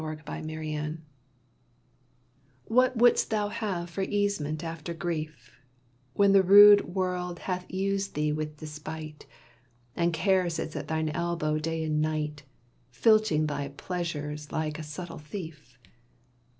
COMFORT OF THE FIELDS What would'st thou have for easement after grief, When the rude world hath used thee with despite, And care sits at thine elbow day and night, Filching thy pleasures like a subtle thief?